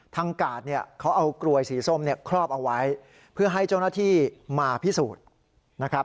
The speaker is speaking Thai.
ทางกาสเขาเอากรวยสีส้มครอบเอาไว้เพื่อให้เจ้าหน้าที่มาพิสูจน์